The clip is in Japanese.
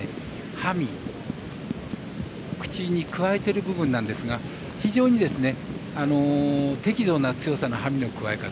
馬銜口にくわえてる部分なんですが非常に適度な強さの馬銜のくわえ方。